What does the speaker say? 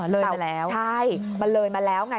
เลยเก่าแล้วใช่มันเลยมาแล้วไง